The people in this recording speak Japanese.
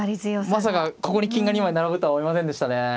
まさかここに金が２枚並ぶとは思いませんでしたね。